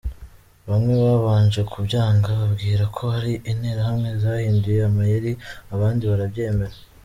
Bamwe babanje kubyanga bibwira ko ari Interahamwe zahinduye amayeri, abandi barabyemera.